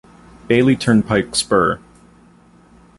Bailey Turnpike Spur.